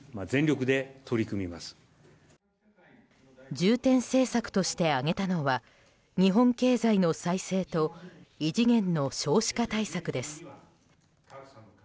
重点政策として挙げたのは日本経済の再生と異次元の少子化対策です。